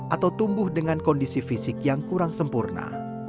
atau tumbuh dengan kondisi fisik yang kurang sempurna